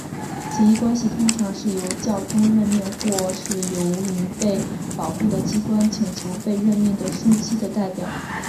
此一关系通常是由教宗任命或是由于被保护的机关请求被任命的枢机的代表。